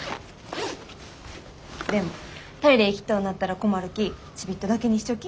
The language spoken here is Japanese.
でもトイレ行きとうなったら困るきちびっとだけにしとき。